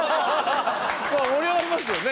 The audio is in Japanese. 盛り上がりますよね。